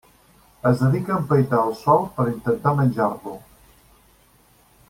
Es dedica a empaitar el Sol per intentar menjar-lo.